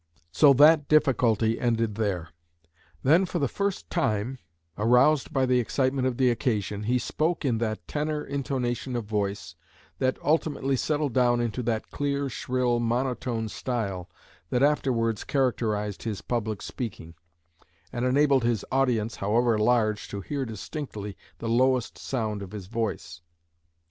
So that difficulty ended there. Then for the first time, aroused by the excitement of the occasion, he spoke in that tenor intonation of voice that ultimately settled down into that clear, shrill monotone style that afterwards characterized his public speaking, and enabled his audience, however large, to hear distinctly the lowest sound of his voice."